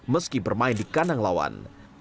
meski bermain di kandang lawan